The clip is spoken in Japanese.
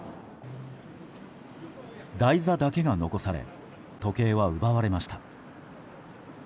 台座だけが残され時計は奪われました。